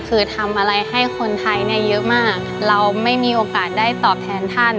คือทำอะไรให้คนไทยเนี่ยเยอะมากเราไม่มีโอกาสได้ตอบแทนท่าน